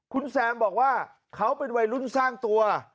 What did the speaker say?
คุณแซมบอกว่าเขาเป็นวัยรุ่นสร้างตัว